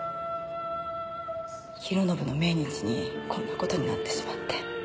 弘信の命日にこんな事になってしまって。